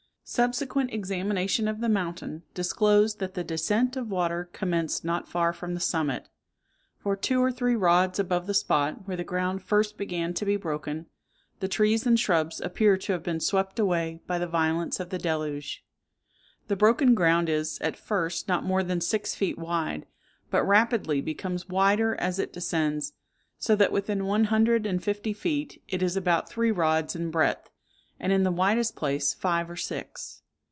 Subsequent examination of the mountain disclosed that the descent of water commenced not far from the summit; for two or three rods above the spot where the ground first began to be broken, the trees and shrubs appear to have been swept away by the violence of the deluge. The broken ground is, at first, not more than six feet wide, but rapidly becomes wider as it descends; so that within one hundred and fifty feet it is about three rods in breadth, and in the widest place five or six.